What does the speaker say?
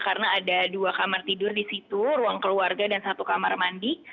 karena ada dua kamar tidur di situ ruang keluarga dan satu kamar mandi